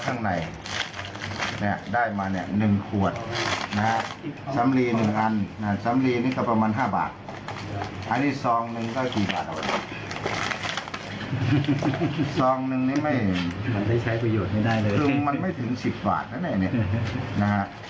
ซองหนึ่งนี่ไม่ใช้ประโยชน์ให้ได้เลยคือมันไม่ถึง๑๐บาทนะนี่